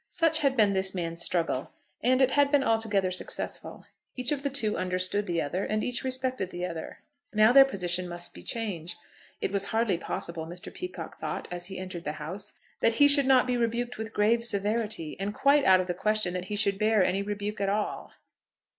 Such had been this man's struggle, and it had been altogether successful. Each of the two understood the other, and each respected the other. Now their position must be changed. It was hardly possible, Mr. Peacocke thought, as he entered the house, that he should not be rebuked with grave severity, and quite out of the question that he should bear any rebuke at all.